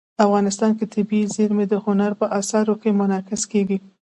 افغانستان کې طبیعي زیرمې د هنر په اثار کې منعکس کېږي.